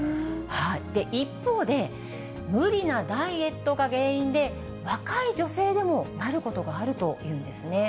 一方で、無理なダイエットが原因で、若い女性でも、なることがあるというんですね。